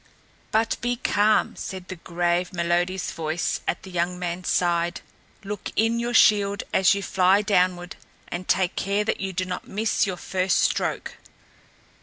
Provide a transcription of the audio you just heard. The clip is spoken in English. "But be calm," said the grave, melodious voice at the young man's side. "Look in your shield as you fly downward, and take care that you do not miss your first stroke."